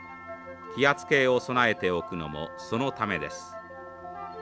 気圧計を備えておくのもそのためです。